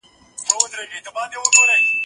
زه به سبا مېوې راټولوم وم